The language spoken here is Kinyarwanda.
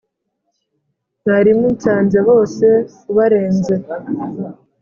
Mwarimu nsanze bose ubarenze!